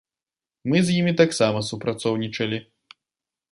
Мы з імі таксама супрацоўнічалі.